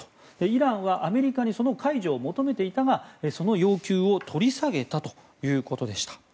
イランはアメリカにその解除を求めていたがその要求を取り下げたということでした。